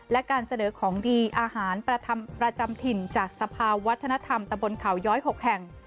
และการเสนอของดีอาหารประจำถิ่นจากสภาวัฒนธรรมตะบนเขาย้อย๖แห่ง